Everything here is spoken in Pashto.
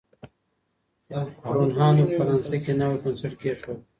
روڼ اندو په فرانسه کي نوی بنسټ کیښود.